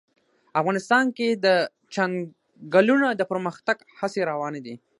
افغانستان کې د چنګلونه د پرمختګ هڅې روانې دي.